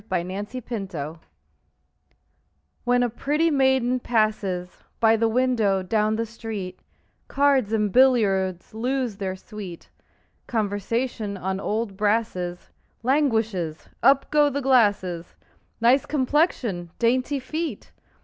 Y Z At the Club When a pretty maiden passes By the window down the street, Cards and billiards lose their sweet; Conversation on old brasses Languishes; up go the glasses: "Nice complexion!" "Dainty feet!"